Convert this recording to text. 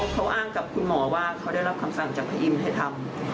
เขาอ้างกับคุณหมอว่าเขาได้รับคำสั่งจากพยิมให้ทำ